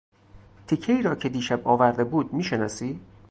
تیکهای را که دیشب آورده بود میشناسی؟